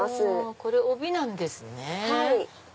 これ帯なんですね。